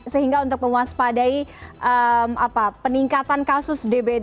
sehingga untuk mewaspadai peningkatan kasus dbd